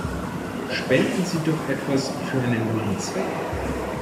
Spenden Sie doch etwas für einen guten Zweck!